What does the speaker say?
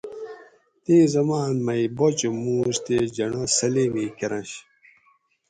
تیں زمانہ مئ باچہ مورش تے جھنڈہ سلیمی کۤرںش